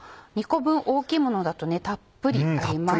２個分大きいものだとたっぷりあります。